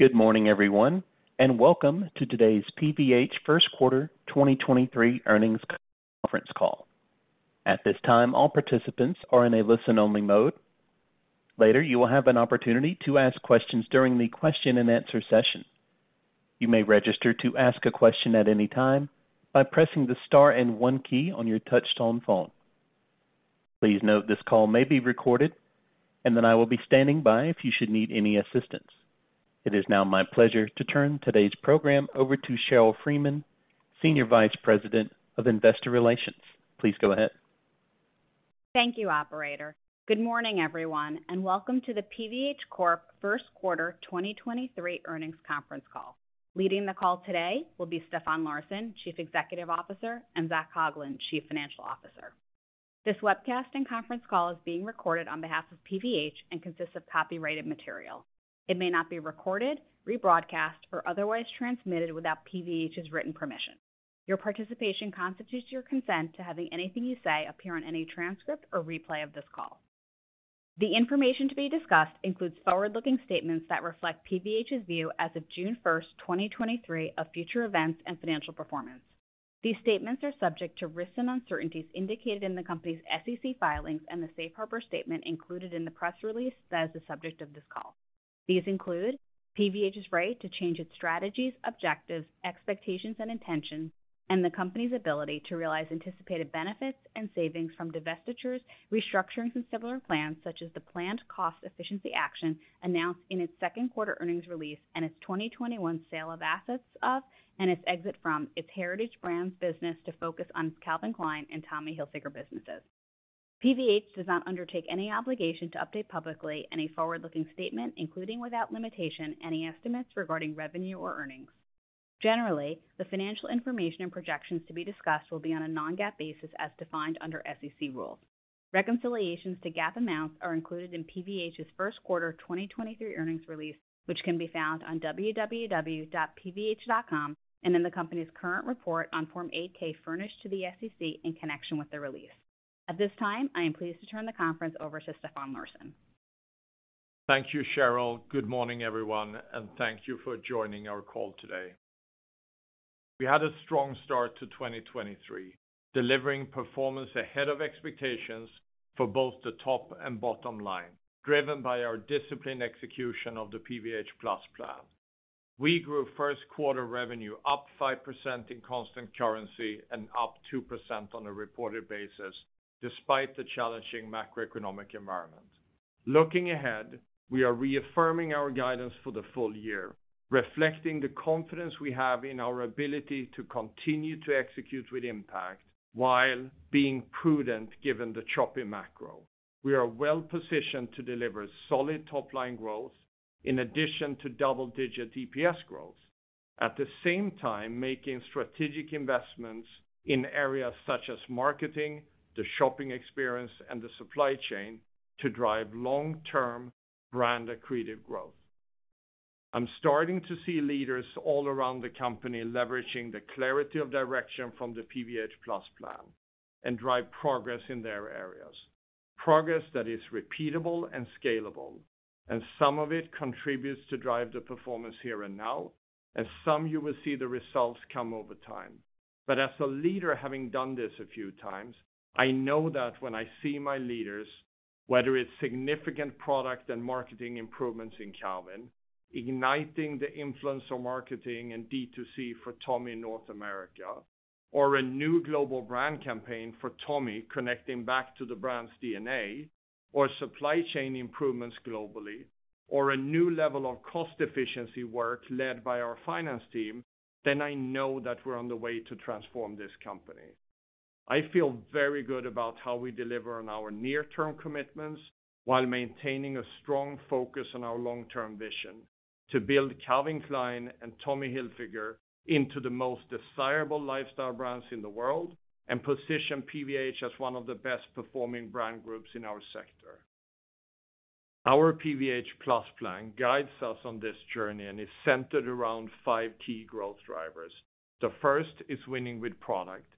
Good morning, everyone, and welcome to today's PVH First Quarter 2023 Earnings Conference Call. At this time, all participants are in a listen-only mode. Later, you will have an opportunity to ask questions during the question-and-answer session. You may register to ask a question at any time by pressing the star and one key on your touchtone phone. Please note, this call may be recorded. I will be standing by if you should need any assistance. It is now my pleasure to turn today's program over to Sheryl Freeman, Senior Vice President of Investor Relations. Please go ahead. Thank you, operator. Good morning, everyone, and welcome to the PVH Corp First Quarter 2023 Earnings Conference Call. Leading the call today will be Stefan Larsson, Chief Executive Officer, and Zac Coughlin, Chief Financial Officer. This webcast and conference call is being recorded on behalf of PVH and consists of copyrighted material. It may not be recorded, rebroadcast, or otherwise transmitted without PVH's written permission. Your participation constitutes your consent to having anything you say appear on any transcript or replay of this call. The information to be discussed includes forward-looking statements that reflect PVH's view as of June 1, 2023, of future events and financial performance. These statements are subject to risks and uncertainties indicated in the company's SEC filings and the safe harbor statement included in the press release that is the subject of this call. These include PVH's right to change its strategies, objectives, expectations and intentions, and the company's ability to realize anticipated benefits and savings from divestitures, restructurings, and similar plans, such as the planned cost efficiency action announced in its second quarter earnings release and its 2021 sale of assets of, and its exit from, its Heritage Brands business to focus on its Calvin Klein and Tommy Hilfiger businesses. PVH does not undertake any obligation to update publicly any forward-looking statement, including, without limitation, any estimates regarding revenue or earnings. Generally, the financial information and projections to be discussed will be on a non-GAAP basis as defined under SEC rules. Reconciliations to GAAP amounts are included in PVH's first quarter 2023 earnings release, which can be found on www.pvh.com and in the company's current report on Form 8-K furnished to the SEC in connection with the release. At this time, I am pleased to turn the conference over to Stefan Larsson. Thank you, Sheryl. Good morning, everyone, and thank you for joining our call today. We had a strong start to 2023, delivering performance ahead of expectations for both the top and bottom line, driven by our disciplined execution of the PVH+ Plan. We grew first quarter revenue up 5% in constant currency and up 2% on a reported basis, despite the challenging macroeconomic environment. Looking ahead, we are reaffirming our guidance for the full year, reflecting the confidence we have in our ability to continue to execute with impact while being prudent, given the choppy macro. We are well positioned to deliver solid top-line growth in addition to double-digit EPS growth, at the same time making strategic investments in areas such as marketing, the shopping experience, and the supply chain to drive long-term brand accretive growth. I'm starting to see leaders all around the company leveraging the clarity of direction from the PVH+ Plan and drive progress in their areas, progress that is repeatable and scalable, and some of it contributes to drive the performance here and now, and some you will see the results come over time. As a leader, having done this a few times, I know that when I see my leaders, whether it's significant product and marketing improvements in Calvin, igniting the influencer marketing and D2C for Tommy North America, or a new global brand campaign for Tommy, connecting back to the brand's DNA, or supply chain improvements globally, or a new level of cost efficiency work led by our finance team, then I know that we're on the way to transform this company. I feel very good about how we deliver on our near-term commitments, while maintaining a strong focus on our long-term vision: to build Calvin Klein and Tommy Hilfiger into the most desirable lifestyle brands in the world and position PVH as one of the best-performing brand groups in our sector. Our PVH+ Plan guides us on this journey and is centered around five key growth drivers. The first is winning with product.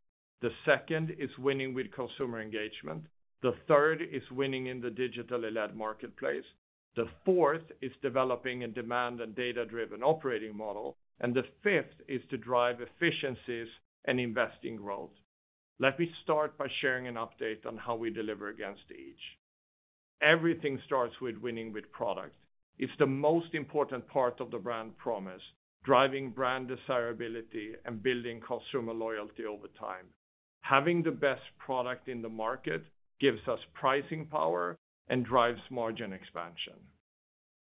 The second is winning with consumer engagement. The third is winning in the digitally led marketplace. The fourth is developing a demand and data-driven operating model, and the fifth is to drive efficiencies and invest in growth. Let me start by sharing an update on how we deliver against each. Everything starts with winning with product. It's the most important part of the brand promise, driving brand desirability and building consumer loyalty over time. Having the best product in the market gives us pricing power and drives margin expansion.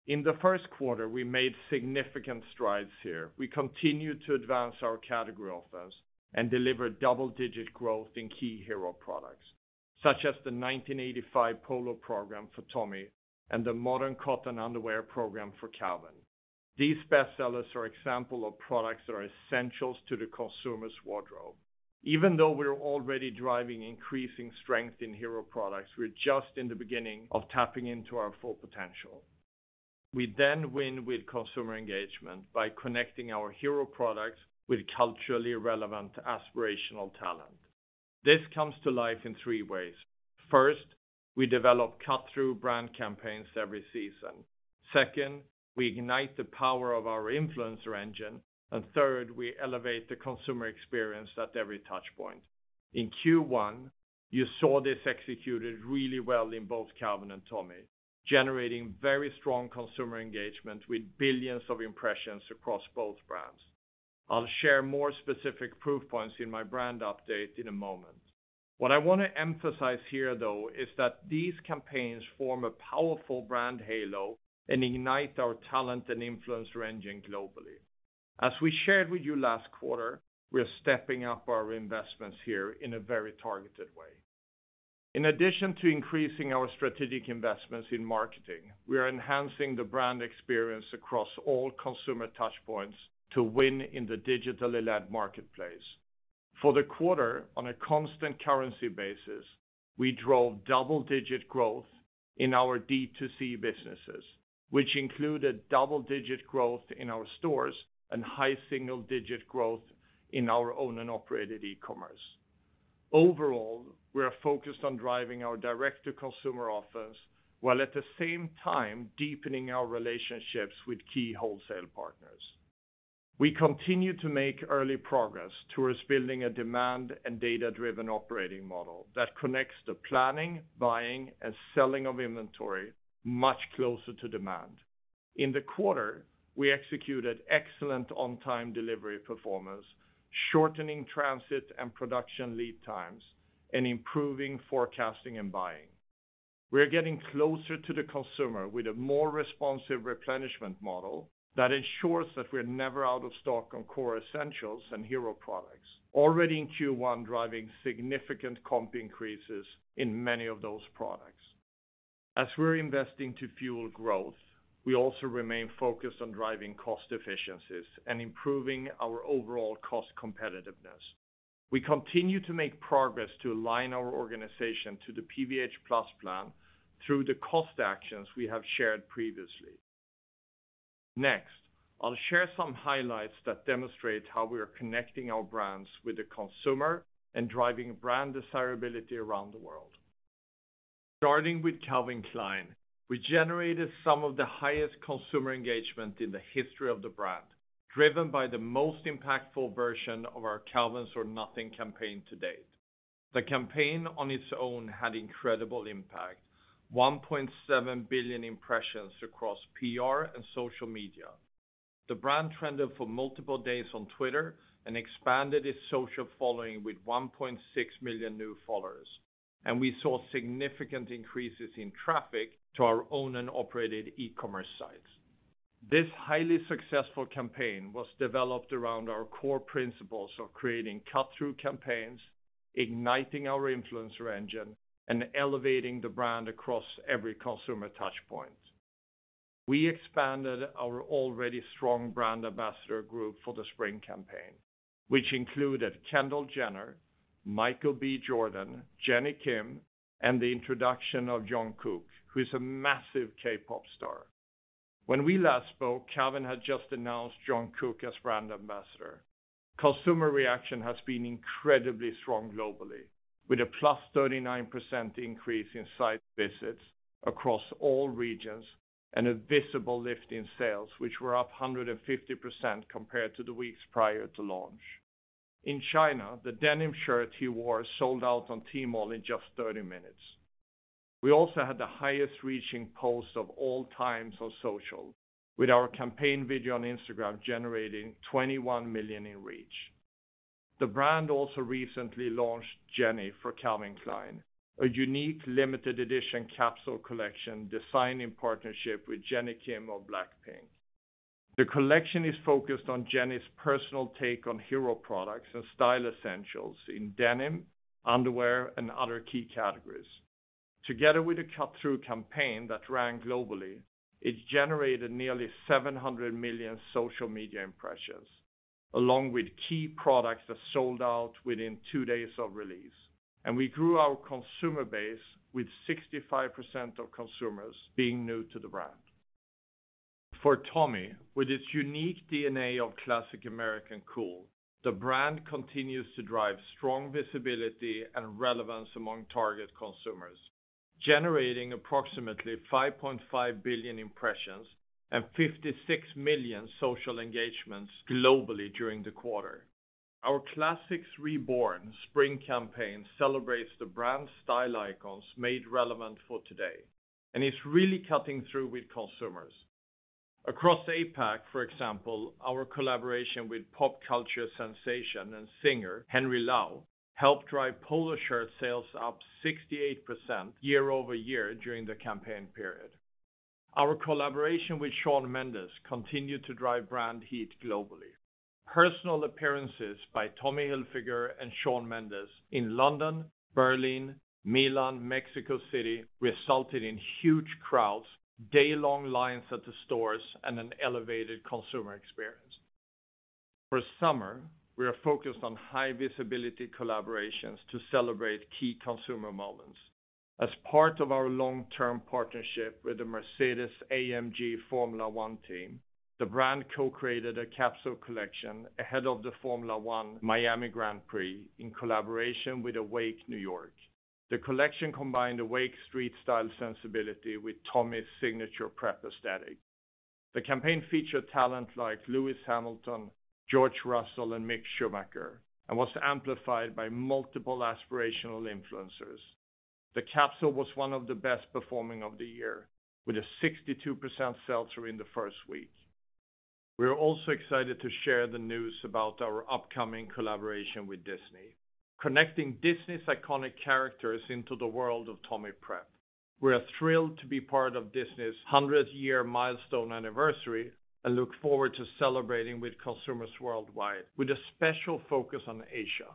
In the first quarter, we made significant strides here. We continued to advance our category offense and delivered double-digit growth in key hero products, such as the 1985 polo program for Tommy and the Modern Cotton underwear program for Calvin. These best sellers are example of products that are essentials to the consumer's wardrobe. Even though we're already driving increasing strength in hero products, we're just in the beginning of tapping into our full potential. We win with consumer engagement by connecting our hero products with culturally relevant, aspirational talent. This comes to life in three ways: First, we develop cut-through brand campaigns every season. Second, we ignite the power of our influencer engine. Third, we elevate the consumer experience at every touchpoint. In Q1, you saw this executed really well in both Calvin and Tommy, generating very strong consumer engagement with billions of impressions across both brands. I'll share more specific proof points in my brand update in a moment. What I wanna emphasize here, though, is that these campaigns form a powerful brand halo and ignite our talent and influencer engine globally. As we shared with you last quarter, we are stepping up our investments here in a very targeted way. In addition to increasing our strategic investments in marketing, we are enhancing the brand experience across all consumer touchpoints to win in the digitally led marketplace. For the quarter, on a constant currency basis, we drove double-digit growth in our D2C businesses, which included double-digit growth in our stores and high single-digit growth in our owned and operated e-commerce. Overall, we are focused on driving our direct-to-consumer offers, while at the same time, deepening our relationships with key wholesale partners. We continue to make early progress towards building a demand and data-driven operating model that connects the planning, buying, and selling of inventory much closer to demand. In the quarter, we executed excellent on-time delivery performance, shortening transit and production lead times, and improving forecasting and buying. We are getting closer to the consumer with a more responsive replenishment model that ensures that we're never out of stock on core essentials and hero products, already in Q1, driving significant comp increases in many of those products. As we're investing to fuel growth, we also remain focused on driving cost efficiencies and improving our overall cost competitiveness. We continue to make progress to align our organization to the PVH+ Plan through the cost actions we have shared previously. Next, I'll share some highlights that demonstrate how we are connecting our brands with the consumer and driving brand desirability around the world. Starting with Calvin Klein, we generated some of the highest consumer engagement in the history of the brand, driven by the most impactful version of our Calvins or Nothing campaign to date. The campaign on its own had incredible impact, 1.7 billion impressions across PR and social media. The brand trended for multiple days on Twitter and expanded its social following with 1.6 million new followers, and we saw significant increases in traffic to our owned and operated e-commerce sites. This highly successful campaign was developed around our core principles of creating cut-through campaigns, igniting our influencer engine, and elevating the brand across every consumer touchpoint. We expanded our already strong brand ambassador group for the spring campaign, which included Kendall Jenner, Michael B. Jordan, Jennie Kim, and the introduction of Jung Kook, who is a massive K-pop star. When we last spoke, Calvin had just announced Jung Kook as brand ambassador. Consumer reaction has been incredibly strong globally, with a +39% increase in site visits across all regions and a visible lift in sales, which were up 150% compared to the weeks prior to launch. In China, the denim shirt he wore sold out on Tmall in just 30 minutes. We also had the highest reaching post of all times on social, with our campaign video on Instagram generating 21 million in reach. The brand also recently launched Jennie for Calvin Klein, a unique limited edition capsule collection designed in partnership with Jennie Kim of BLACKPINK. The collection is focused on Jennie's personal take on hero products and style essentials in denim, underwear, and other key categories. Together with a cut-through campaign that ran globally, it generated nearly 700 million social media impressions, along with key products that sold out within 2 days of release. We grew our consumer base, with 65% of consumers being new to the brand. For Tommy, with its unique DNA of classic American cool, the brand continues to drive strong visibility and relevance among target consumers, generating approximately 5.5 billion impressions and 56 million social engagements globally during the quarter. Our Classics Reborn spring campaign celebrates the brand's style icons made relevant for today. It's really cutting through with consumers. Across APAC, for example, our collaboration with pop culture sensation and singer Henry Lau, helped drive polo shirt sales up 68% year-over-year during the campaign period. Our collaboration with Shawn Mendes continued to drive brand heat globally. Personal appearances by Tommy Hilfiger and Shawn Mendes in London, Berlin, Milan, Mexico City, resulted in huge crowds, day-long lines at the stores, and an elevated consumer experience. For summer, we are focused on high-visibility collaborations to celebrate key consumer moments....As part of our long-term partnership with the Mercedes-AMG Formula One Team, the brand co-created a capsule collection ahead of the Formula 1 Miami Grand Prix in collaboration with Awake NY. The collection combined Awake street style sensibility with Tommy's signature prep aesthetic. The campaign featured talent like Lewis Hamilton, George Russell, and Mick Schumacher, and was amplified by multiple aspirational influencers. The capsule was one of the best performing of the year, with a 62% sell-through in the first week. We are also excited to share the news about our upcoming collaboration with Disney, connecting Disney's iconic characters into the world of Tommy Prep. We are thrilled to be part of Disney's 100-year milestone anniversary, and look forward to celebrating with consumers worldwide, with a special focus on Asia.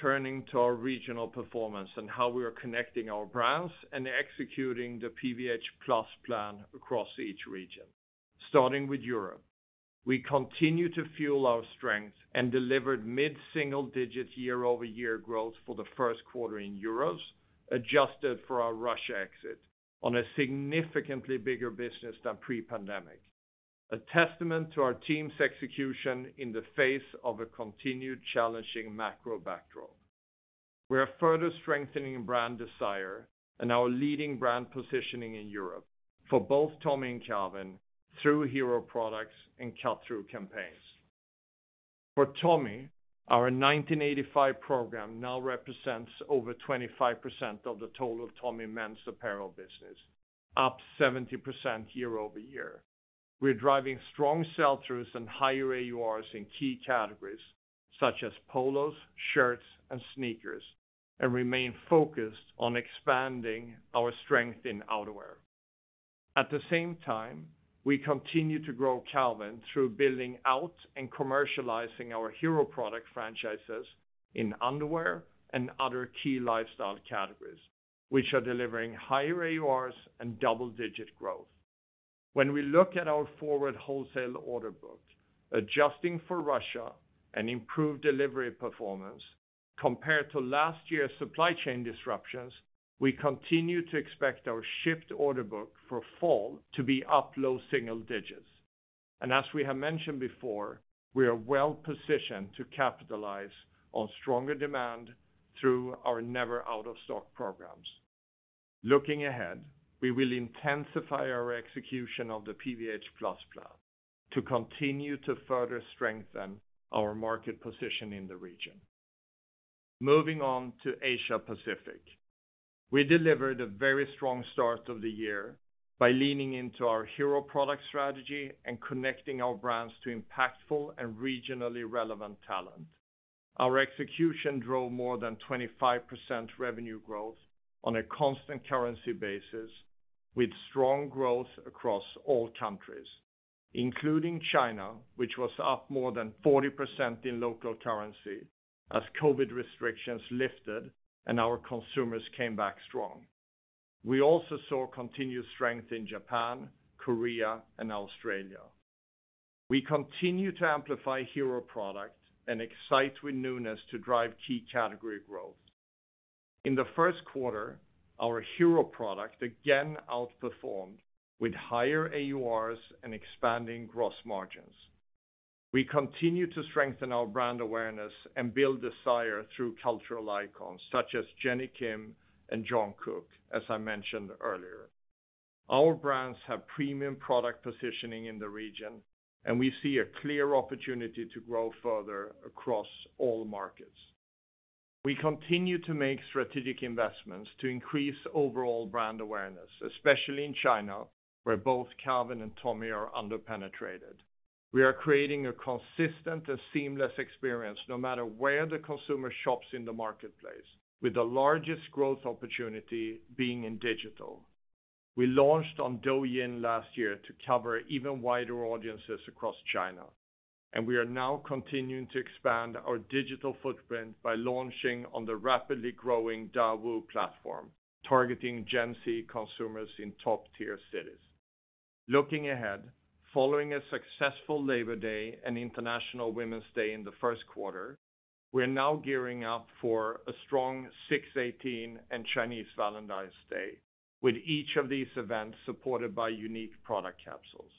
Turning to our regional performance and how we are connecting our brands and executing the PVH+ Plan across each region. Starting with Europe, we continue to fuel our strength and delivered mid-single-digit year-over-year growth for the first quarter in euros, adjusted for our Russia exit, on a significantly bigger business than pre-pandemic, a testament to our team's execution in the face of a continued challenging macro backdrop. We are further strengthening brand desire and our leading brand positioning in Europe for both Tommy and Calvin through hero products and cut-through campaigns. For Tommy, our 1985 program now represents over 25% of the total Tommy men's apparel business, up 70% year-over-year. We're driving strong sell-throughs and higher AURs in key categories, such as polos, shirts, and sneakers, and remain focused on expanding our strength in outerwear. At the same time, we continue to grow Calvin through building out and commercializing our hero product franchises in underwear and other key lifestyle categories, which are delivering higher AURs and double-digit growth. When we look at our forward wholesale order book, adjusting for Russia and improved delivery performance, compared to last year's supply chain disruptions, we continue to expect our shipped order book for fall to be up low single digits. As we have mentioned before, we are well positioned to capitalize on stronger demand through our never out-of-stock programs. Looking ahead, we will intensify our execution of the PVH+ Plan to continue to further strengthen our market position in the region. Moving on to Asia Pacific. We delivered a very strong start of the year by leaning into our hero product strategy and connecting our brands to impactful and regionally relevant talent. Our execution drove more than 25% revenue growth on a constant currency basis, with strong growth across all countries, including China, which was up more than 40% in local currency as COVID restrictions lifted and our consumers came back strong. We also saw continued strength in Japan, Korea, and Australia. We continue to amplify hero product and excite with newness to drive key category growth. In the first quarter, our hero product again outperformed with higher AURs and expanding gross margins. We continue to strengthen our brand awareness and build desire through cultural icons, such as Jennie Kim and Jung Kook, as I mentioned earlier. Our brands have premium product positioning in the region, and we see a clear opportunity to grow further across all markets. We continue to make strategic investments to increase overall brand awareness, especially in China, where both Calvin and Tommy are under-penetrated. We are creating a consistent and seamless experience, no matter where the consumer shops in the marketplace, with the largest growth opportunity being in digital. We launched on Douyin last year to cover even wider audiences across China, and we are now continuing to expand our digital footprint by launching on the rapidly growing Dewu platform, targeting Gen Z consumers in top-tier cities. Looking ahead, following a successful Labor Day and International Women's Day in the first quarter, we are now gearing up for a strong 618 and Chinese Valentine's Day, with each of these events supported by unique product capsules.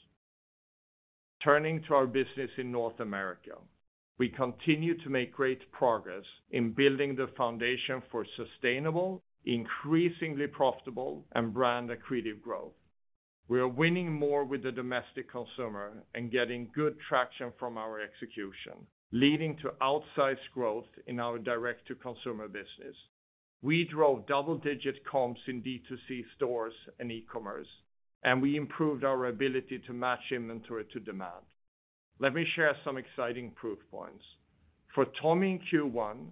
Turning to our business in North America, we continue to make great progress in building the foundation for sustainable, increasingly profitable, and brand accretive growth. We are winning more with the domestic consumer and getting good traction from our execution, leading to outsized growth in our direct-to-consumer business. We drove double-digit comps in D2C stores and e-commerce. We improved our ability to match inventory to demand. Let me share some exciting proof points. For Tommy in Q1,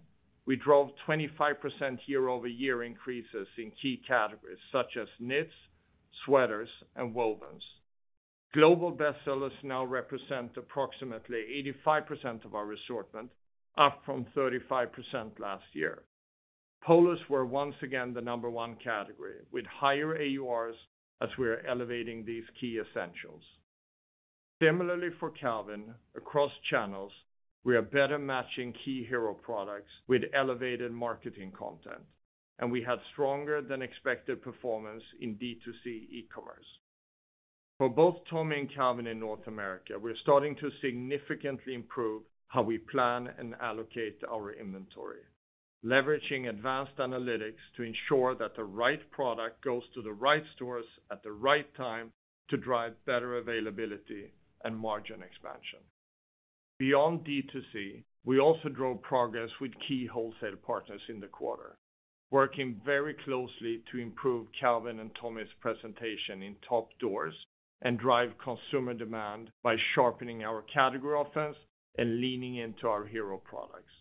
we drove 25% year-over-year increases in key categories, such as knits, sweaters, and wovens. Global bestsellers now represent approximately 85% of our assortment, up from 35% last year. Polos were once again the number one category, with higher AURs as we are elevating these key essentials. Similarly for Calvin, across channels, we are better matching key hero products with elevated marketing content, and we had stronger than expected performance in D2C e-commerce. For both Tommy and Calvin in North America, we're starting to significantly improve how we plan and allocate our inventory, leveraging advanced analytics to ensure that the right product goes to the right stores at the right time to drive better availability and margin expansion. Beyond D2C, we also drove progress with key wholesale partners in the quarter, working very closely to improve Calvin and Tommy's presentation in top doors and drive consumer demand by sharpening our category offense and leaning into our hero products.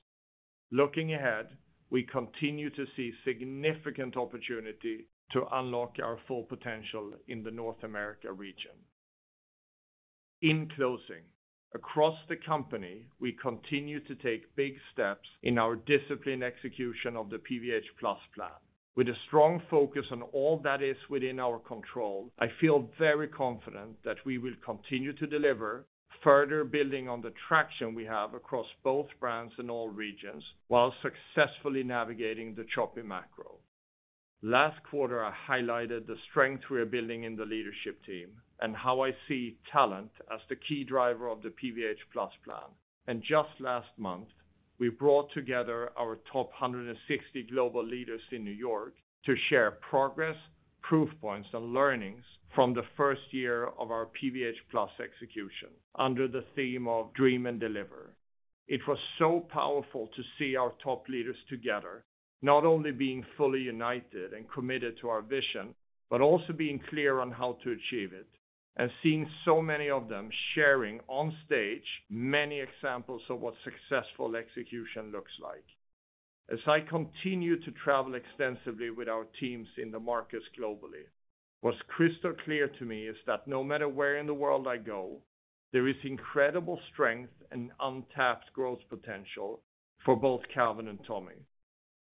Looking ahead, we continue to see significant opportunity to unlock our full potential in the North America region. In closing, across the company, we continue to take big steps in our disciplined execution of the PVH+ Plan. With a strong focus on all that is within our control, I feel very confident that we will continue to deliver, further building on the traction we have across both brands in all regions, while successfully navigating the choppy macro. Last quarter, I highlighted the strength we are building in the leadership team and how I see talent as the key driver of the PVH+ Plan. Just last month, we brought together our top 160 global leaders in New York to share progress, proof points, and learnings from the first year of our PVH+ execution under the theme of Dream and Deliver. It was so powerful to see our top leaders together, not only being fully united and committed to our vision, but also being clear on how to achieve it, and seeing so many of them sharing on stage many examples of what successful execution looks like. As I continue to travel extensively with our teams in the markets globally, what's crystal clear to me is that no matter where in the world I go, there is incredible strength and untapped growth potential for both Calvin and Tommy.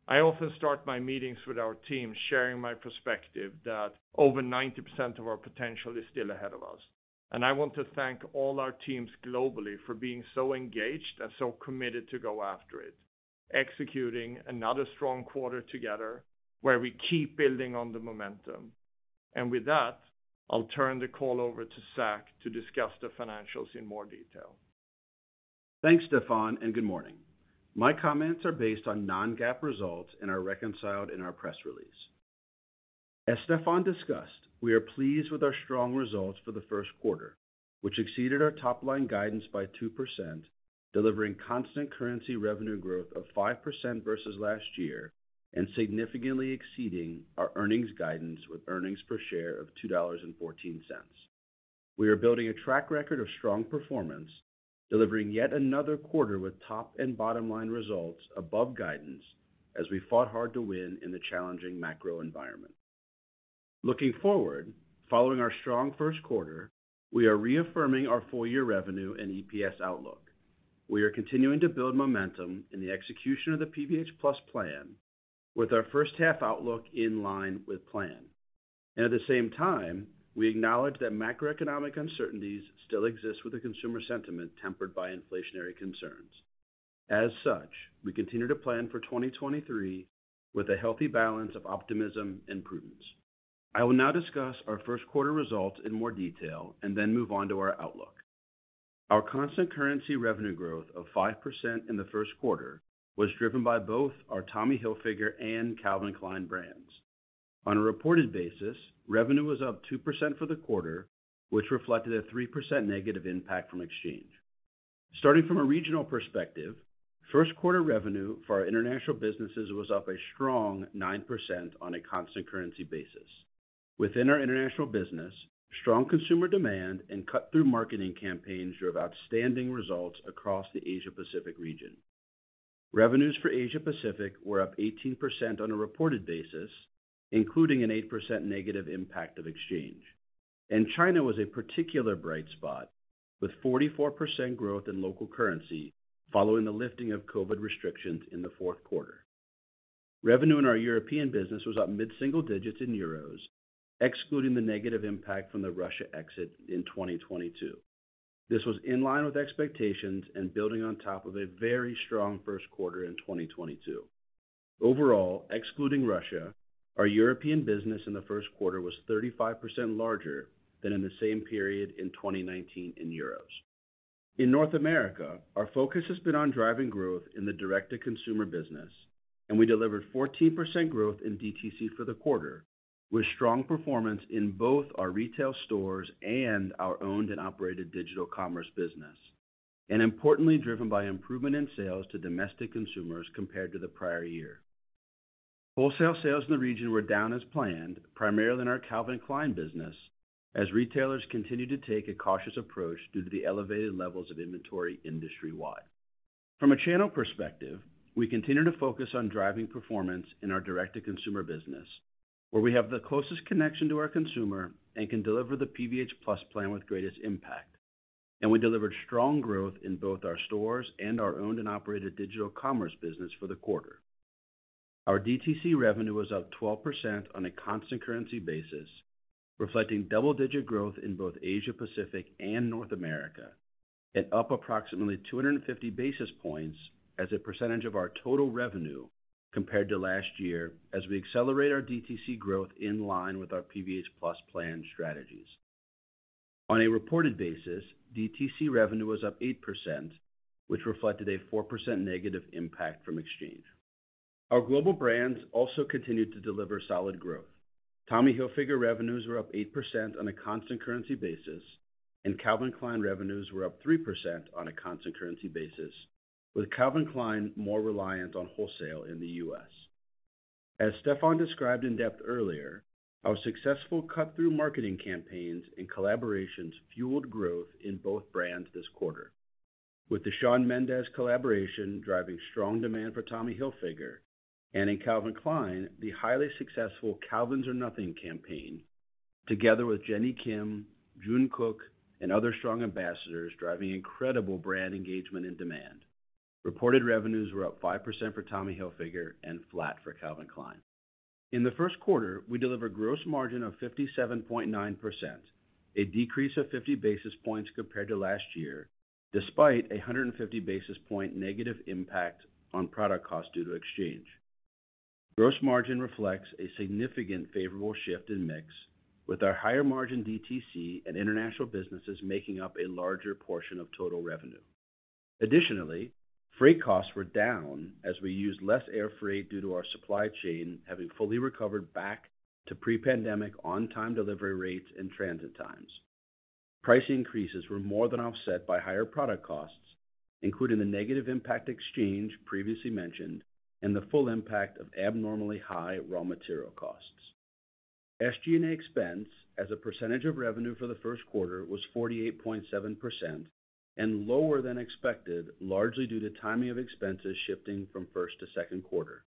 I often start my meetings with our team, sharing my perspective that over 90% of our potential is still ahead of us, and I want to thank all our teams globally for being so engaged and so committed to go after it, executing another strong quarter together, where we keep building on the momentum. With that, I'll turn the call over to Zac to discuss the financials in more detail. Thanks, Stefan. Good morning. My comments are based on non-GAAP results and are reconciled in our press release. As Stefan discussed, we are pleased with our strong results for the first quarter, which exceeded our top-line guidance by 2%, delivering constant currency revenue growth of 5% versus last year, and significantly exceeding our earnings guidance, with earnings per share of $2.14. We are building a track record of strong performance, delivering yet another quarter with top and bottom line results above guidance as we fought hard to win in the challenging macro environment. Looking forward, following our strong first quarter, we are reaffirming our full year revenue and EPS outlook. We are continuing to build momentum in the execution of the PVH+ Plan, with our first half outlook in line with plan. At the same time, we acknowledge that macroeconomic uncertainties still exist with the consumer sentiment tempered by inflationary concerns. As such, we continue to plan for 2023 with a healthy balance of optimism and prudence. I will now discuss our first quarter results in more detail and then move on to our outlook. Our constant currency revenue growth of 5% in the first quarter was driven by both our Tommy Hilfiger and Calvin Klein brands. On a reported basis, revenue was up 2% for the quarter, which reflected a 3% negative impact from exchange. Starting from a regional perspective, first quarter revenue for our international businesses was up a strong 9% on a constant currency basis. Within our international business, strong consumer demand and cut-through marketing campaigns drove outstanding results across the Asia-Pacific region. Revenues for Asia-Pacific were up 18% on a reported basis, including an 8% negative impact of exchange. China was a particular bright spot, with 44% growth in local currency following the lifting of COVID restrictions in the fourth quarter. Revenue in our European business was up mid-single digits in euros, excluding the negative impact from the Russia exit in 2022. This was in line with expectations and building on top of a very strong first quarter in 2022. Overall, excluding Russia, our European business in the first quarter was 35% larger than in the same period in 2019 in euros. In North America, our focus has been on driving growth in the direct-to-consumer business, and we delivered 14% growth in DTC for the quarter, with strong performance in both our retail stores and our owned and operated digital commerce business, and importantly, driven by improvement in sales to domestic consumers compared to the prior year. Wholesale sales in the region were down as planned, primarily in our Calvin Klein business, as retailers continued to take a cautious approach due to the elevated levels of inventory industry-wide. From a channel perspective, we continue to focus on driving performance in our direct-to-consumer business, where we have the closest connection to our consumer and can deliver the PVH+ Plan with greatest impact. We delivered strong growth in both our stores and our owned and operated digital commerce business for the quarter. Our DTC revenue was up 12% on a constant currency basis, reflecting double-digit growth in both Asia Pacific and North America, and up approximately 250 basis points as a percentage of our total revenue compared to last year, as we accelerate our DTC growth in line with our PVH+ Plan strategies. On a reported basis, DTC revenue was up 8%, which reflected a 4% negative impact from exchange. Our global brands also continued to deliver solid growth. Tommy Hilfiger revenues were up 8% on a constant currency basis, and Calvin Klein revenues were up 3% on a constant currency basis, with Calvin Klein more reliant on wholesale in the U.S. As Stefan described in depth earlier, our successful cut-through marketing campaigns and collaborations fueled growth in both brands this quarter, with the Shawn Mendes collaboration driving strong demand for Tommy Hilfiger, and in Calvin Klein, the highly successful Calvins or Nothing campaign, together with Jennie Kim, Jung Kook, and other strong ambassadors, driving incredible brand engagement and demand. Reported revenues were up 5% for Tommy Hilfiger and flat for Calvin Klein. In the first quarter, we delivered gross margin of 57.9%, a decrease of 50 basis points compared to last year, despite a 150 basis point negative impact on product costs due to exchange. Gross margin reflects a significant favorable shift in mix with our higher-margin DTC and international businesses making up a larger portion of total revenue. Additionally, freight costs were down as we used less air freight due to our supply chain having fully recovered back to pre-pandemic on-time delivery rates and transit times. Price increases were more than offset by higher product costs, including the negative impact exchange previously mentioned, and the full impact of abnormally high raw material costs. SG&A expense as a percentage of revenue for the first quarter was 48.7% and lower than expected, largely due to timing of expenses shifting from first to second quarter.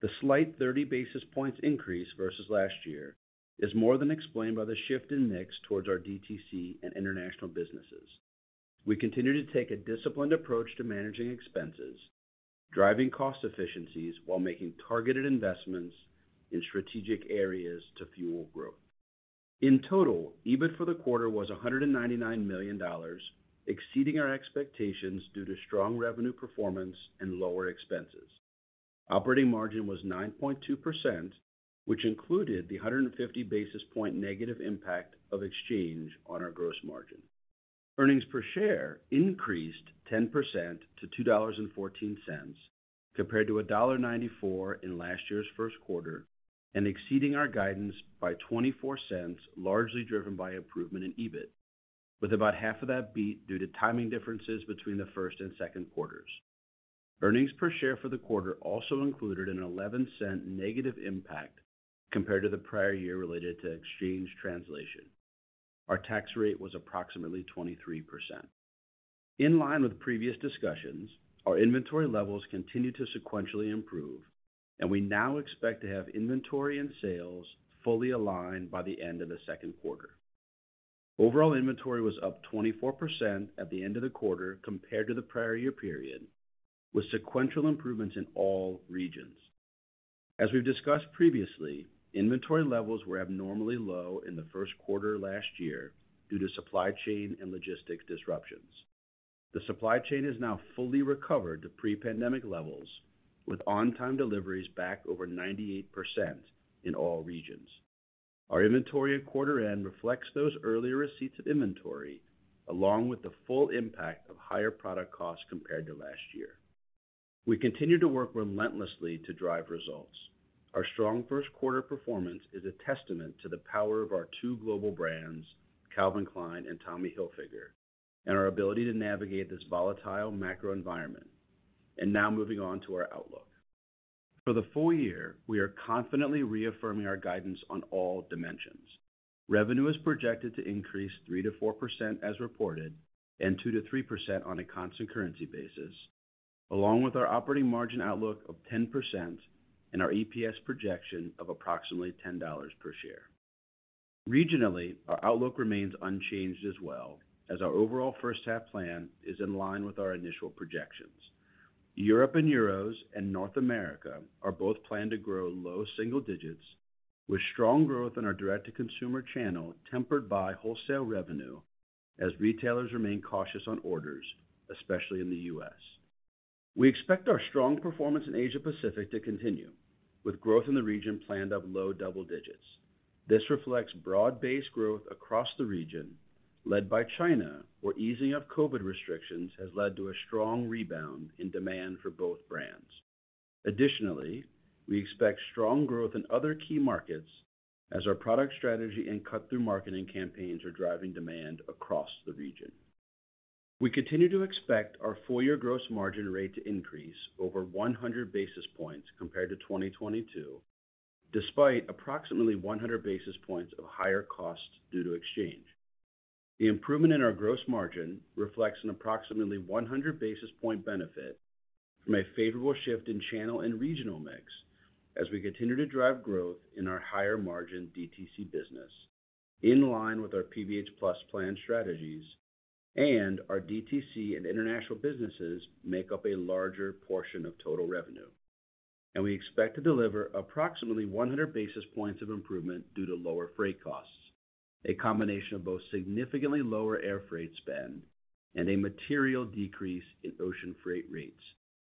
The slight 30 basis points increase versus last year is more than explained by the shift in mix towards our DTC and international businesses. We continue to take a disciplined approach to managing expenses, driving cost efficiencies while making targeted investments in strategic areas to fuel growth. In total, EBIT for the quarter was $199 million, exceeding our expectations due to strong revenue performance and lower expenses. Operating margin was 9.2%, which included the 150 basis point negative impact of exchange on our gross margin. Earnings per share increased 10% to $2.14, compared to $1.94 in last year's first quarter, and exceeding our guidance by $0.24, largely driven by improvement in EBIT, with about half of that beat due to timing differences between the first and second quarters. Earnings per share for the quarter also included an $0.11 negative impact compared to the prior year related to exchange translation. Our tax rate was approximately 23%. In line with previous discussions, our inventory levels continued to sequentially improve, and we now expect to have inventory and sales fully aligned by the end of the second quarter. Overall inventory was up 24% at the end of the quarter compared to the prior year period, with sequential improvements in all regions. As we've discussed previously, inventory levels were abnormally low in the first quarter last year due to supply chain and logistics disruptions. The supply chain is now fully recovered to pre-pandemic levels, with on-time deliveries back over 98% in all regions. Our inventory at quarter end reflects those earlier receipts of inventory, along with the full impact of higher product costs compared to last year. We continue to work relentlessly to drive results. Our strong first quarter performance is a testament to the power of our two global brands, Calvin Klein and Tommy Hilfiger, and our ability to navigate this volatile macro environment. Now moving on to our outlook. For the full year, we are confidently reaffirming our guidance on all dimensions. Revenue is projected to increase 3%-4% as reported, and 2%-3% on a constant currency basis, along with our operating margin outlook of 10% and our EPS projection of approximately $10 per share. Regionally, our outlook remains unchanged as well as our overall first half plan is in line with our initial projections. Europe and Euros and North America are both planned to grow low single digits, with strong growth in our direct-to-consumer channel, tempered by wholesale revenue as retailers remain cautious on orders, especially in the U.S. We expect our strong performance in Asia Pacific to continue, with growth in the region planned up low double digits. This reflects broad-based growth across the region, led by China, where easing of COVID restrictions has led to a strong rebound in demand for both brands. Additionally, we expect strong growth in other key markets as our product strategy and cut-through marketing campaigns are driving demand across the region. We continue to expect our full year gross margin rate to increase over 100 basis points compared to 2022, despite approximately 100 basis points of higher costs due to exchange. The improvement in our gross margin reflects an approximately 100 basis point benefit from a favorable shift in channel and regional mix as we continue to drive growth in our higher-margin DTC business, in line with our PVH+ Plan strategies. Our DTC and international businesses make up a larger portion of total revenue. We expect to deliver approximately 100 basis points of improvement due to lower freight costs, a combination of both significantly lower air freight spend and a material decrease in ocean freight rates,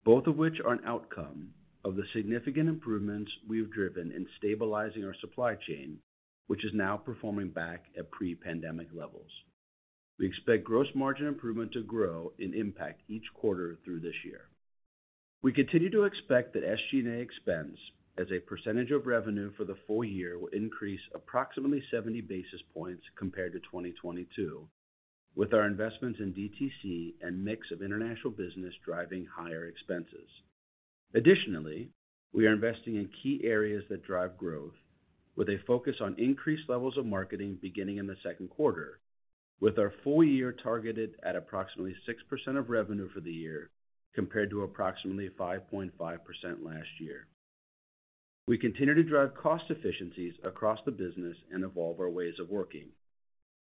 both of which are an outcome of the significant improvements we have driven in stabilizing our supply chain, which is now performing back at pre-pandemic levels. We expect gross margin improvement to grow in impact each quarter through this year. We continue to expect that SG&A expense as a percentage of revenue for the full year will increase approximately 70 basis points compared to 2022, with our investments in DTC and mix of international business driving higher expenses. Additionally, we are investing in key areas that drive growth, with a focus on increased levels of marketing beginning in the second quarter, with our full year targeted at approximately 6% of revenue for the year, compared to approximately 5.5% last year. We continue to drive cost efficiencies across the business and evolve our ways of working.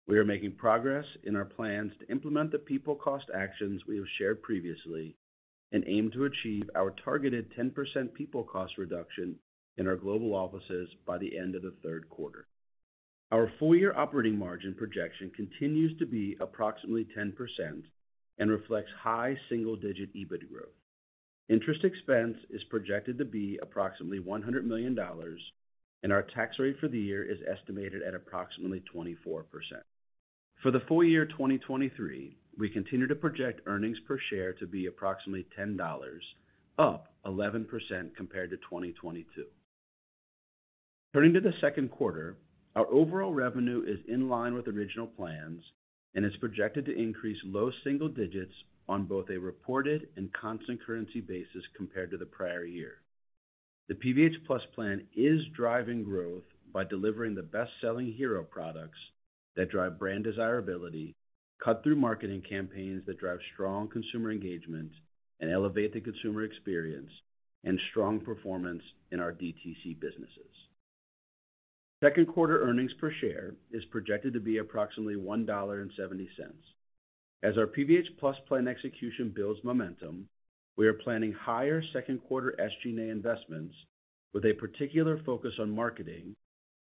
We are making progress in our plans to implement the people cost actions we have shared previously and aim to achieve our targeted 10% people cost reduction in our global offices by the end of the third quarter. Our full year operating margin projection continues to be approximately 10% and reflects high single-digit EBIT growth. Interest expense is projected to be approximately $100 million, and our tax rate for the year is estimated at approximately 24%. For the full year 2023, we continue to project earnings per share to be approximately $10, up 11% compared to 2022. Turning to the second quarter, our overall revenue is in line with original plans and is projected to increase low single digits on both a reported and constant currency basis compared to the prior year. The PVH+ Plan is driving growth by delivering the best-selling hero products that drive brand desirability, cut through marketing campaigns that drive strong consumer engagement and elevate the consumer experience, and strong performance in our DTC businesses. Second quarter earnings per share is projected to be approximately $1.70. As our PVH+ Plan execution builds momentum, we are planning higher second quarter SG&A investments with a particular focus on marketing,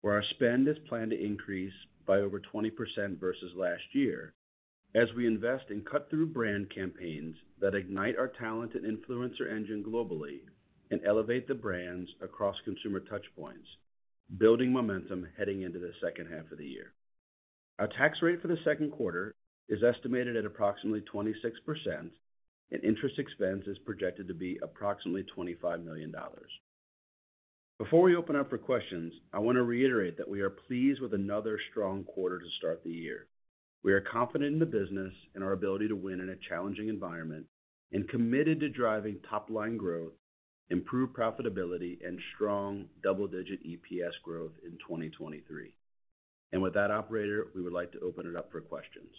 where our spend is planned to increase by over 20% versus last year, as we invest in cut-through brand campaigns that ignite our talent and influencer engine globally and elevate the brands across consumer touch points, building momentum heading into the second half of the year. Our tax rate for the second quarter is estimated at approximately 26%, and interest expense is projected to be approximately $25 million. Before we open up for questions, I want to reiterate that we are pleased with another strong quarter to start the year. We are confident in the business and our ability to win in a challenging environment and committed to driving top-line growth, improved profitability, and strong double-digit EPS growth in 2023. With that, operator, we would like to open it up for questions.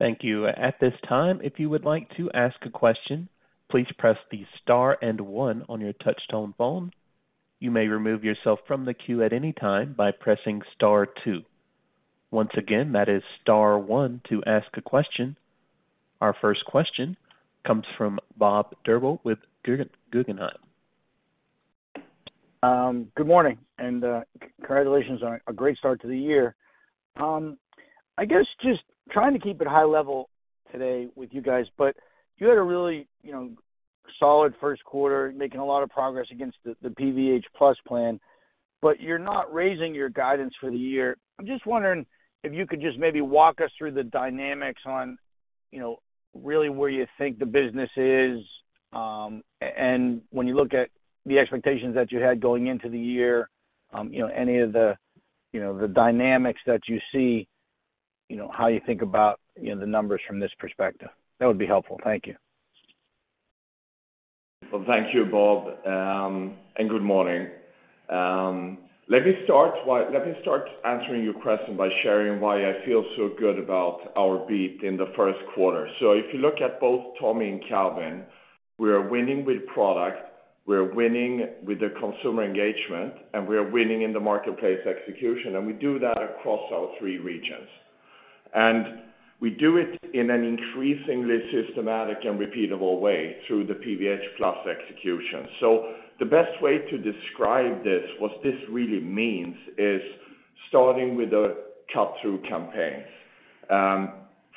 Thank you. At this time, if you would like to ask a question, please press the star and one on your touchtone phone. You may remove yourself from the queue at any time by pressing star two. Once again, that is star one to ask a question. Our first question comes from Bob Drbul with Guggenheim. Good morning, and congratulations on a great start to the year. I guess just trying to keep it high level today with you guys, but you had a really, you know, solid first quarter, making a lot of progress against the PVH+ Plan, but you're not raising your guidance for the year. I'm just wondering if you could just maybe walk us through the dynamics on, you know, really where you think the business is, and when you look at the expectations that you had going into the year, any of the, you know, dynamics that you see, you know, how you think about, you know, the numbers from this perspective? That would be helpful. Thank you. Well, thank you, Bob, and good morning. Let me start answering your question by sharing why I feel so good about our beat in the first quarter. If you look at both Tommy and Calvin, we are winning with product, we are winning with the consumer engagement, and we are winning in the marketplace execution, and we do that across our three regions. We do it in an increasingly systematic and repeatable way through the PVH+ execution. The best way to describe this, what this really means, is starting with a cut-through campaign.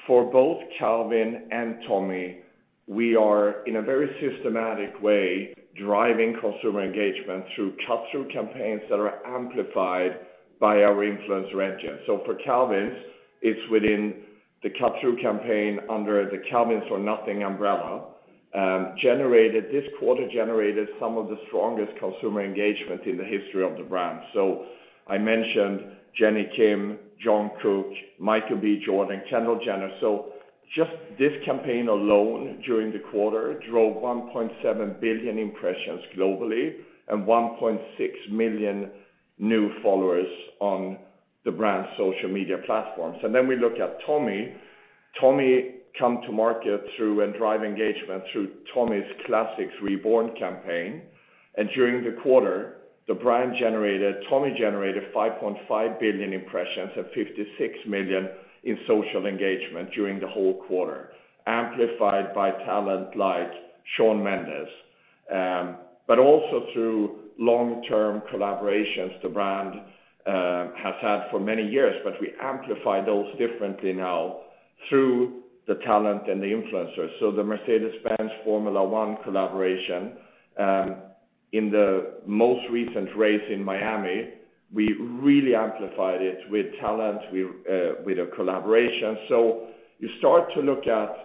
For both Calvin and Tommy, we are, in a very systematic way, driving consumer engagement through cut-through campaigns that are amplified by our influencer engine. For Calvin, it's within the cut-through campaign under the Calvins or Nothing umbrella, this quarter, generated some of the strongest consumer engagement in the history of the brand. I mentioned Jennie Kim, Jung Kook, Michael B. Jordan, Kendall Jenner. Just this campaign alone, during the quarter, drove 1.7 billion impressions globally and 1.6 million new followers on the brand's social media platforms. Then we look at Tommy. Tommy come to market through and drive engagement through Tommy's Classics Reborn campaign. During the quarter, the brand generated, Tommy generated 5.5 billion impressions and 56 million in social engagement during the whole quarter, amplified by talent like Shawn Mendes. But also through long-term collaborations the brand has had for many years, but we amplify those differently now through the talent and the influencers. The Mercedes-Benz Formula One collaboration in the most recent race in Miami, we really amplified it with talent, with a collaboration. You start to look at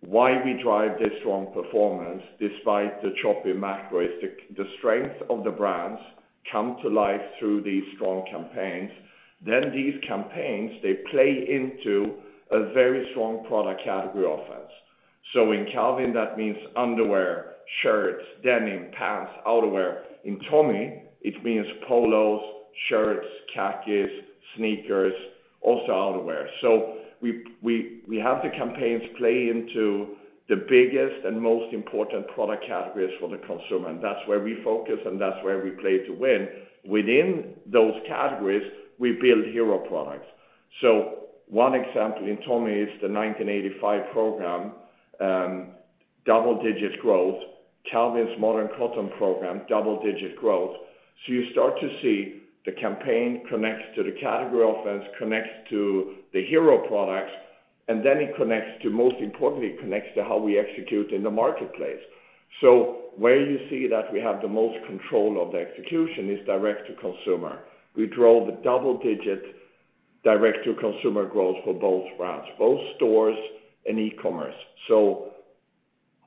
why we drive this strong performance despite the choppy macro is the strength of the brands come to life through these strong campaigns. These campaigns, they play into a very strong product category offense. In Calvin, that means underwear, shirts, denim, pants, outerwear. In Tommy, it means polos, shirts, khakis, sneakers, also outerwear. We have the campaigns play into the biggest and most important product categories for the consumer, and that's where we focus, and that's where we play to win. Within those categories, we build hero products. One example in Tommy is the 1985 program, double-digit growth. Calvin's Modern Cotton program, double-digit growth. You start to see the campaign connects to the category offense, connects to the hero products, it connects to, most importantly, it connects to how we execute in the marketplace. Where you see that we have the most control of the execution is direct-to-consumer. We drove a double-digit direct-to-consumer growth for both brands, both stores and e-commerce.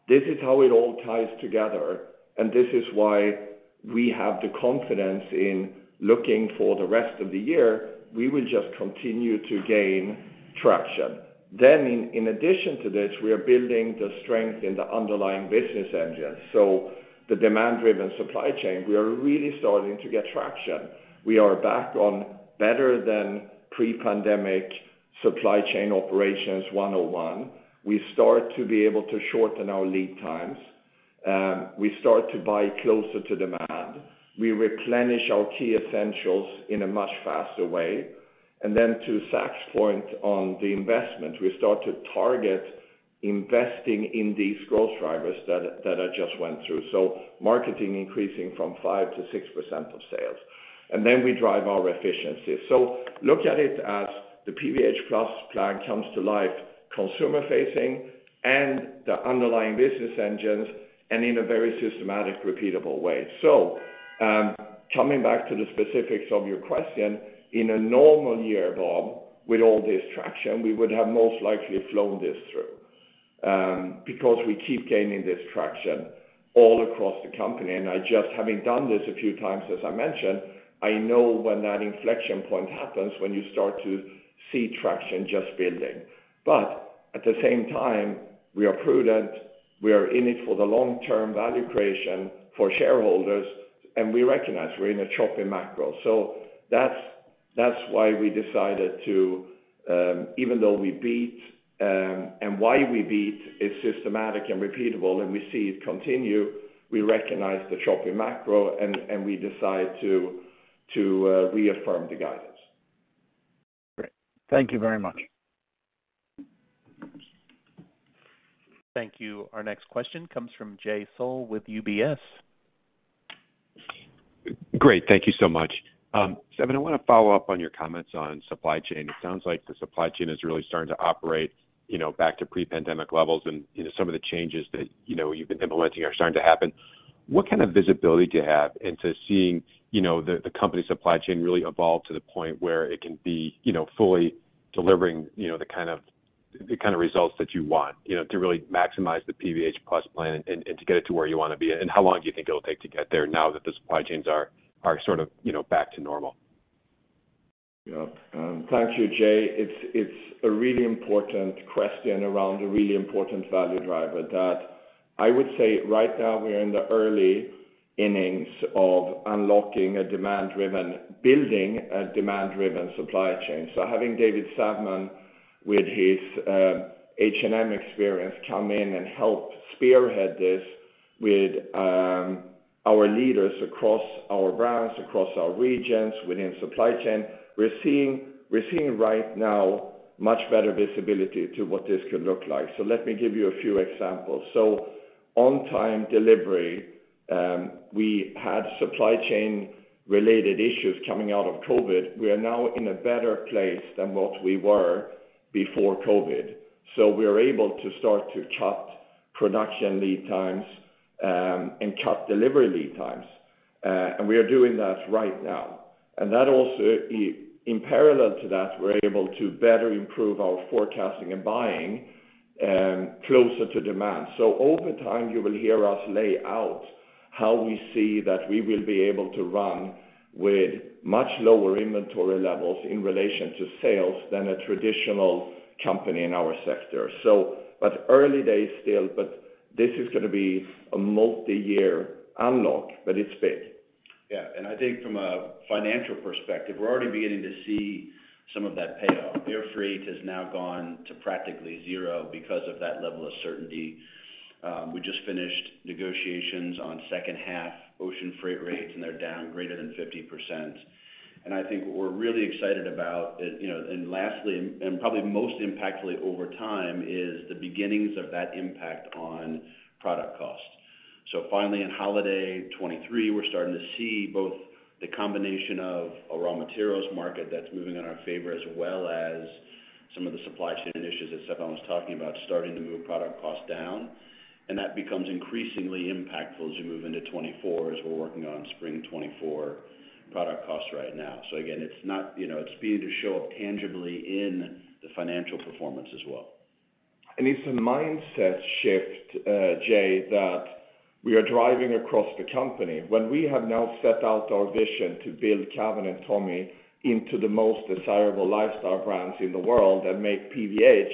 This is how it all ties together, and this is why we have the confidence in looking for the rest of the year, we will just continue to gain traction. In addition to this, we are building the strength in the underlying business engine. The demand-driven supply chain, we are really starting to get traction. We are back on better than pre-pandemic supply chain operations one-on-one. We start to be able to shorten our lead times. We start to buy closer to demand. We replenish our key essentials in a much faster way. To Zac's point on the investment, we start to target investing in these growth drivers that I just went through. Marketing increasing from 5%-6% of sales. We drive our efficiency. Look at it as the PVH+ Plan comes to life, consumer-facing and the underlying business engines, and in a very systematic, repeatable way. Coming back to the specifics of your question, in a normal year, Bob, with all this traction, we would have most likely flown this through, because we keep gaining this traction all across the company. I just, having done this a few times, as I mentioned, I know when that inflection point happens, when you start to see traction just building. At the same time, we are prudent, we are in it for the long-term value creation for shareholders, and we recognize we're in a choppy macro. That's why we decided to, even though we beat, and why we beat is systematic and repeatable and we see it continue, we recognize the choppy macro, and we decide to reaffirm the guidance. Great. Thank you very much. Thank you. Our next question comes from Jay Sole with UBS. Great. Thank you so much. Stefan, I want to follow up on your comments on supply chain. It sounds like the supply chain is really starting to operate, you know, back to pre-pandemic levels, and, you know, some of the changes that, you know, you've been implementing are starting to happen. What kind of visibility do you have into seeing, you know, the company supply chain really evolve to the point where it can be, you know, fully delivering, you know, the kind of results that you want, you know, to really maximize the PVH+ Plan and to get it to where you want to be? How long do you think it will take to get there now that the supply chains are sort of, you know, back to normal? Yeah. Thank you, Jay. It's a really important question around a really important value driver that I would say right now, we are in the early innings of building a demand-driven supply chain. Having David Savman, with his H&M experience, come in and help spearhead this with our leaders across our brands, across our regions, within supply chain, we're seeing right now much better visibility to what this could look like. Let me give you a few examples. On-time delivery, we had supply chain-related issues coming out of COVID. We are now in a better place than what we were before COVID. We are able to start to chop production lead times and cut delivery lead times. We are doing that right now. That also, in parallel to that, we're able to better improve our forecasting and buying closer to demand. Over time, you will hear us lay out how we see that we will be able to run with much lower inventory levels in relation to sales than a traditional company in our sector. Early days still, but this is going to be a multi-year unlock, but it's big. Yeah, I think from a financial perspective, we're already beginning to see some of that payoff. Air freight has now gone to practically zero because of that level of certainty. We just finished negotiations on second half ocean freight rates, and they're down greater than 50%. I think what we're really excited about is, you know, and lastly, and probably most impactfully over time, is the beginnings of that impact on product cost. Finally, in holiday 2023, we're starting to see both the combination of a raw materials market that's moving in our favor, as well as some of the supply chain issues that Stefan was talking about, starting to move product cost down. That becomes increasingly impactful as you move into 2024, as we're working on spring 2024 product costs right now. Again, it's not, you know, it's beginning to show up tangibly in the financial performance as well. It's a mindset shift, Jay, that we are driving across the company. We have now set out our vision to build Calvin and Tommy into the most desirable lifestyle brands in the world and make PVH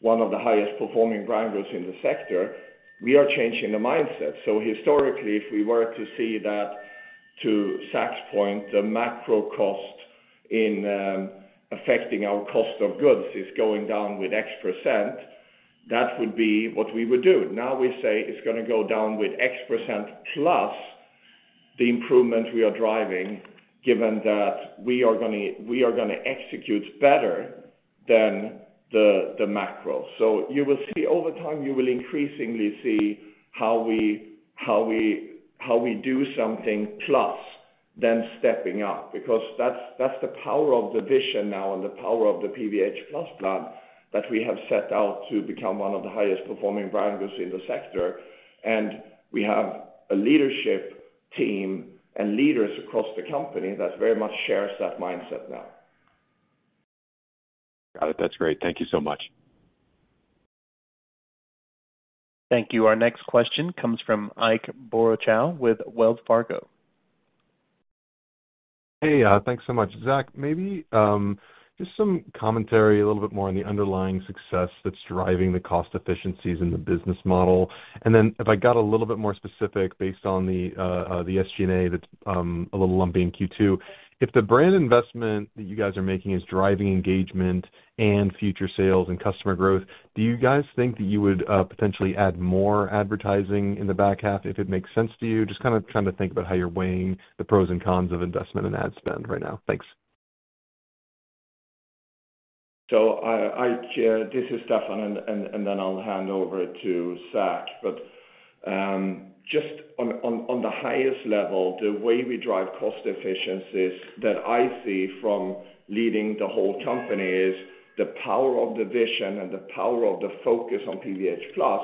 one of the highest performing brands in the sector, we are changing the mindset. Historically, if we were to see that, to Zac's point, the macro cost in affecting our cost of goods is going down with X%, that would be what we would do. We say it's gonna go down with X%, plus the improvement we are driving, given that we are gonna execute better than the macro. You will see over time, you will increasingly see how we do something plus, then stepping up, because that's the power of the vision now and the power of the PVH+ Plan, that we have set out to become one of the highest performing brands in the sector. We have a leadership team and leaders across the company that very much shares that mindset now. Got it. That's great. Thank you so much. Thank you. Our next question comes from Ike Boruchow with Wells Fargo. Hey, thanks so much. Zac, maybe, just some commentary, a little bit more on the underlying success that's driving the cost efficiencies in the business model. If I got a little bit more specific based on the SG&A, that's a little lumpy in Q2. If the brand investment that you guys are making is driving engagement and future sales and customer growth, do you guys think that you would potentially add more advertising in the back half, if it makes sense to you? Just kind of trying to think about how you're weighing the pros and cons of investment in ad spend right now. Thanks. Ike, this is Stefan, and then I'll hand over to Zac. Just on the highest level, the way we drive cost efficiencies that I see from leading the whole company is the power of the vision and the power of the focus on PVH+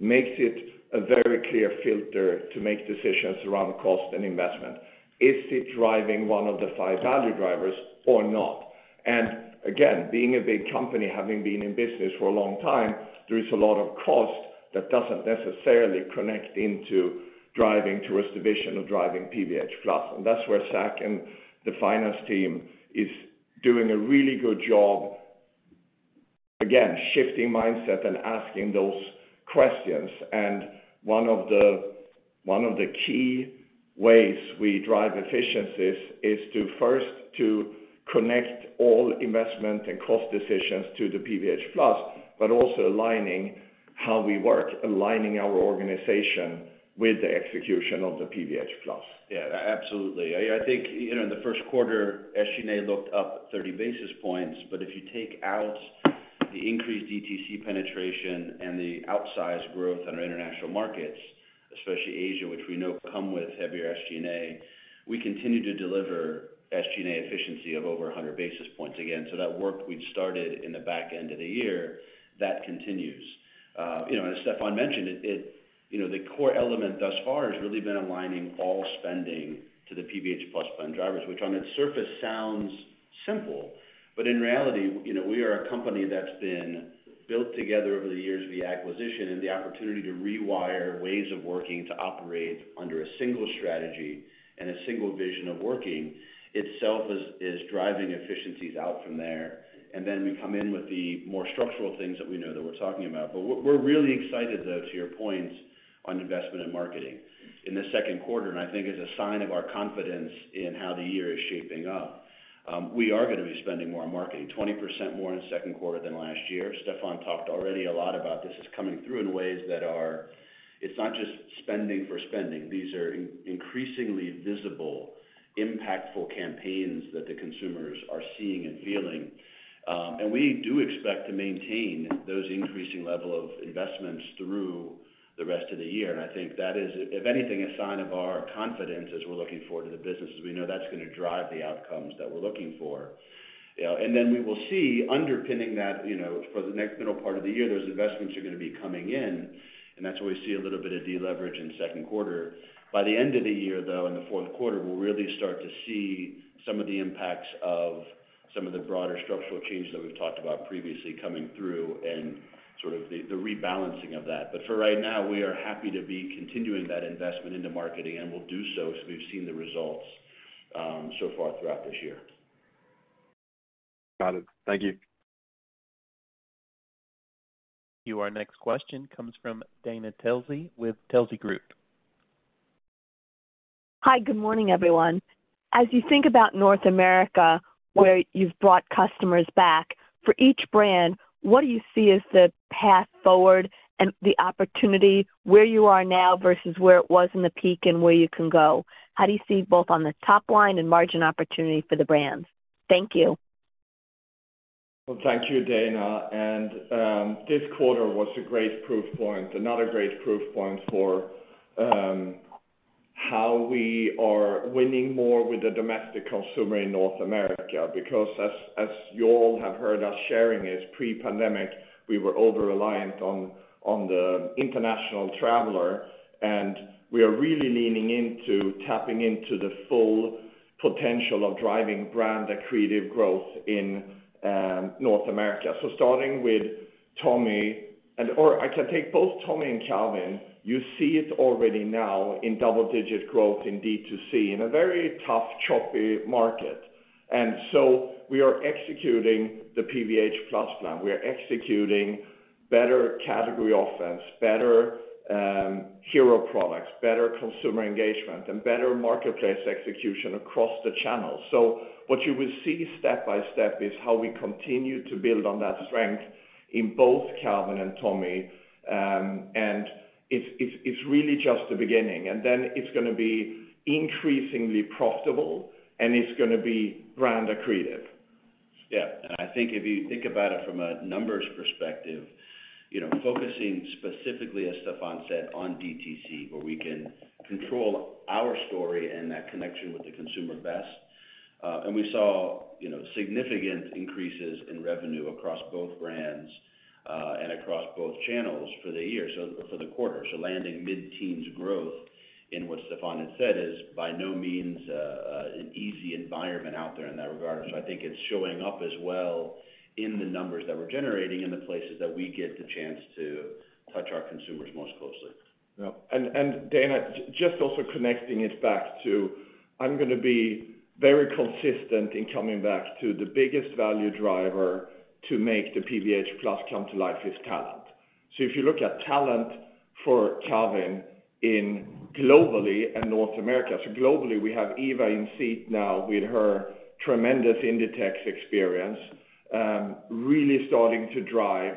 makes it a very clear filter to make decisions around cost and investment. Is it driving one of the five value drivers or not? Again, being a big company, having been in business for a long time, there is a lot of cost that doesn't necessarily connect into driving towards the vision of driving PVH+. That's where Zac and the finance team is doing a really good job, again, shifting mindset and asking those questions. One of the key ways we drive efficiencies is to first, to connect all investment and cost decisions to the PVH+, but also aligning how we work, aligning our organization with the execution of the PVH+. Yeah, absolutely. I think, you know, in the first quarter, SG&A looked up 30 basis points. If you take out the increased DTC penetration and the outsized growth on our international markets, especially Asia, which we know come with heavier SG&A, we continue to deliver SG&A efficiency of over 100 basis points again. That work we'd started in the back end of the year, that continues. You know, as Stefan mentioned, it, you know, the core element thus far has really been aligning all spending to the PVH+ Plan drivers, which on its surface sounds simple, but in reality, you know, we are a company that's been built together over the years via acquisition, and the opportunity to rewire ways of working to operate under a single strategy and a single vision of working, itself is driving efficiencies out from there. We come in with the more structural things that we know that we're talking about. We're really excited, though, to your point on investment in marketing. In the second quarter, and I think as a sign of our confidence in how the year is shaping up, we are gonna be spending more on marketing, 20% more in the second quarter than last year. Stefan talked already a lot about this. It's coming through in ways that are. It's not just spending for spending. These are increasingly visible, impactful campaigns that the consumers are seeing and feeling. We do expect to maintain those increasing level of investments through the rest of the year. I think that is, if anything, a sign of our confidence as we're looking forward to the business, as we know that's gonna drive the outcomes that we're looking for. You know, we will see underpinning that, you know, for the next middle part of the year, those investments are gonna be coming in, and that's why we see a little bit of deleverage in the second quarter. By the end of the year, though, in the fourth quarter, we'll really start to see some of the impacts of some of the broader structural changes that we've talked about previously coming through and sort of the rebalancing of that. For right now, we are happy to be continuing that investment into marketing, and we'll do so as we've seen the results so far throughout this year. Got it. Thank you. Our next question comes from Dana Telsey with Telsey Group. Hi, good morning, everyone. As you think about North America, where you've brought customers back, for each brand, what do you see as the path forward and the opportunity where you are now versus where it was in the peak and where you can go? How do you see both on the top line and margin opportunity for the brands? Thank you. Well, thank you, Dana, and this quarter was a great proof point, another great proof point for how we are winning more with the domestic consumer in North America, because as you all have heard us sharing, is pre-pandemic, we were over-reliant on the international traveler, and we are really leaning into tapping into the full potential of driving brand accretive growth in North America. Starting with Tommy, or I can take both Tommy and Calvin. You see it already now in double-digit growth in D2C, in a very tough, choppy market. We are executing the PVH+ Plan. We are executing better category offense, better hero products, better consumer engagement, and better marketplace execution across the channel. What you will see step-by-step, is how we continue to build on that strength in both Calvin and Tommy. It's really just the beginning, and then it's gonna be increasingly profitable, and it's gonna be brand accretive. Yeah, I think if you think about it from a numbers perspective, you know, focusing specifically, as Stefan said, on DTC, where we can control our story and that connection with the consumer best. We saw, you know, significant increases in revenue across both brands, and across both channels for the year, so for the quarter. Landing mid-teens growth in what Stefan had said, is by no means, an easy environment out there in that regard. I think it's showing up as well in the numbers that we're generating in the places that we get the chance to touch our consumers most closely. No. Dana, just also connecting it back to, I'm gonna be very consistent in coming back to the biggest value driver to make the PVH+ come to life is talent. If you look at talent for Calvin in globally and North America, globally, we have Eva in seat now with her tremendous Inditex experience, really starting to drive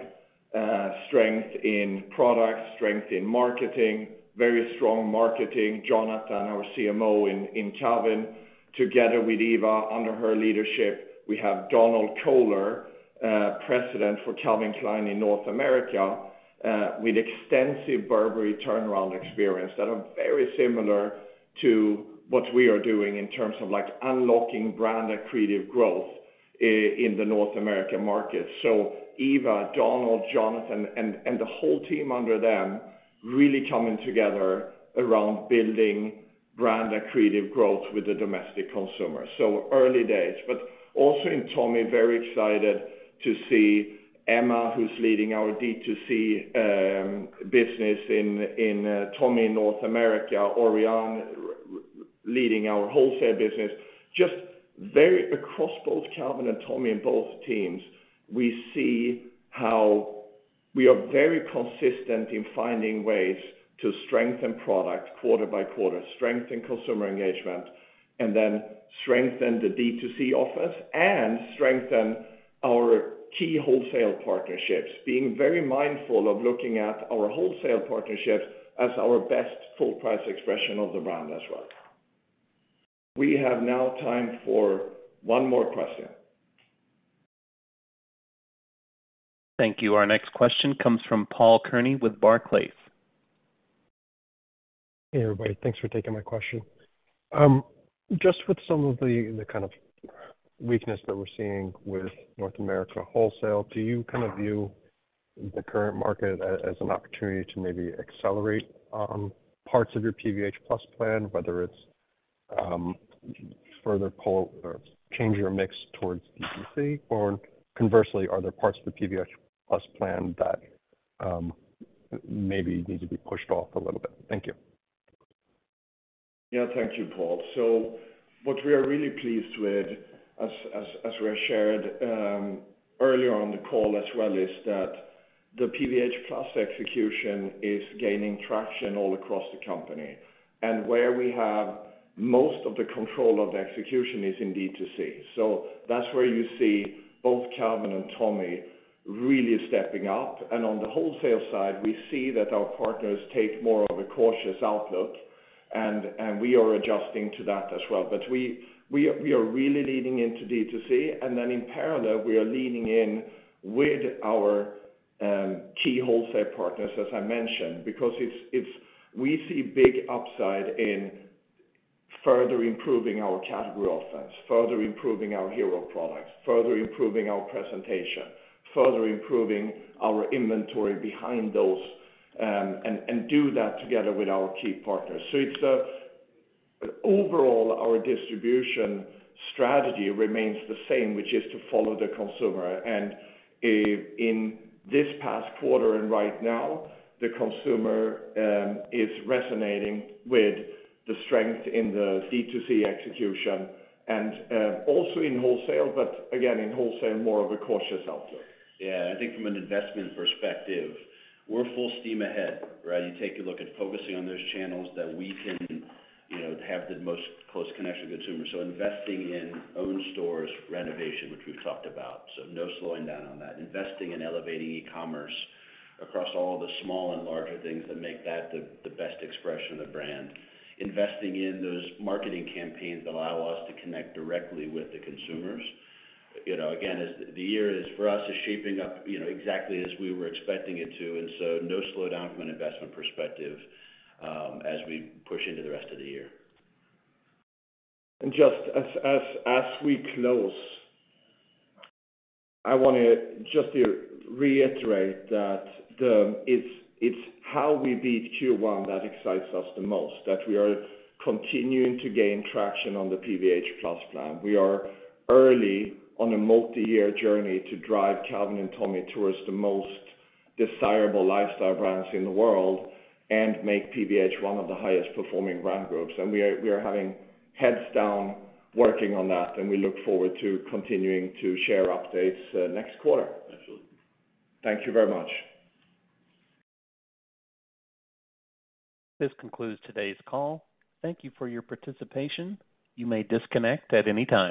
strength in products, strength in marketing, very strong marketing. Jonathan, our CMO in Calvin, together with Eva, under her leadership, we have Donald Kohler, President for Calvin Klein in North America, with extensive Burberry turnaround experience, that are very similar to what we are doing in terms of, like, unlocking brand and creative growth in the North American market. Eva, Donald, Jonathan, and the whole team under them, really coming together around building brand accretive growth with the domestic consumer. Early days, but also in Tommy, very excited to see Emma, who's leading our D2C business in Tommy North America, Oriane leading our wholesale business. Just very across both Calvin and Tommy and both teams, we see how we are very consistent in finding ways to strengthen product quarter by quarter, strengthen consumer engagement, and then strengthen the D2C office, and strengthen our key wholesale partnerships, being very mindful of looking at our wholesale partnerships as our best full price expression of the brand as well. We have now time for one more question. Thank you. Our next question comes from Paul Kearney with Barclays. Hey, everybody. Thanks for taking my question. Just with some of the kind of weakness that we're seeing with North America wholesale, do you kind of view the current market as an opportunity to maybe accelerate parts of your PVH+ Plan, whether it's further pull or change your mix towards DTC? Or conversely, are there parts of the PVH+ Plan that maybe need to be pushed off a little bit? Thank you. Thank you, Paul. What we are really pleased with, as we have shared earlier on the call as well, is that the PVH+ Plan execution is gaining traction all across the company. Where we have most of the control of the execution is in D2C. That's where you see both Calvin and Tommy really stepping up. On the wholesale side, we see that our partners take more of a cautious outlook, and we are adjusting to that as well. We are really leaning into D2C, and then in parallel, we are leaning in with our key wholesale partners, as I mentioned, because it's we see big upside in further improving our category offense, further improving our hero products, further improving our presentation, further improving our inventory behind those, and do that together with our key partners. It's overall, our distribution strategy remains the same, which is to follow the consumer. In this past quarter and right now, the consumer is resonating with the strength in the D2C execution and also in wholesale, but again, in wholesale, more of a cautious outlook. Yeah. I think from an investment perspective, we're full steam ahead, right? You take a look at focusing on those channels that we can, you know, have the most close connection to consumers. Investing in own stores, renovation, which we've talked about, so no slowing down on that. Investing in elevating e-commerce across all the small and larger things that make that the best expression of the brand. Investing in those marketing campaigns that allow us to connect directly with the consumers. You know, again, as the year is for us, is shaping up, you know, exactly as we were expecting it to, no slowdown from an investment perspective, as we push into the rest of the year. Just as we close, I wanna just to reiterate that it's how we beat Q1 that excites us the most, that we are continuing to gain traction on the PVH+ Plan. We are early on a multi-year journey to drive Calvin and Tommy towards the most desirable lifestyle brands in the world, and make PVH one of the highest performing brand groups. We are having heads down working on that, and we look forward to continuing to share updates next quarter. Absolutely. Thank you very much. This concludes today's call. Thank you for your participation. You may disconnect at any time.